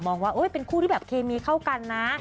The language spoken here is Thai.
ว่าเป็นคู่ที่แบบเคมีเข้ากันนะ